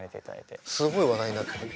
すごい話題になってて。